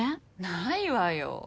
ないわよ。